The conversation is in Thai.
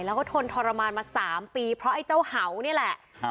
แล้วก็ทนทรมานมา๓ปีเพราะไอ้เจ้าเห่านี่แหละ